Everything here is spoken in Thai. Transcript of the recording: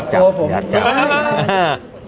เฮ้ยจับตัวผม